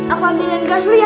aku ambilin gas lu ya